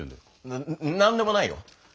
ななんでもないよ。